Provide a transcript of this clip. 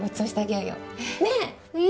ねえ？